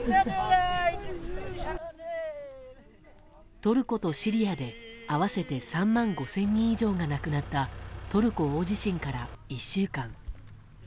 トルコとシリアで合わせて３万５０００人以上が亡くなったトルコ大地震から１週間。